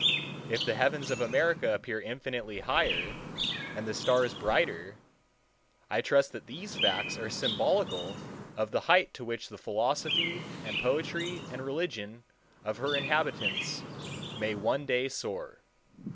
If the heavens of America appear infinitely higher, and the stars brighter, I trust that these facts are symbolical of the height to which the philosophy and poetry and religion of her inhabitants may one day soar.